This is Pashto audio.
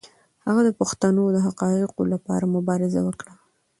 هغه د پښتنو د حقونو لپاره مبارزه وکړه.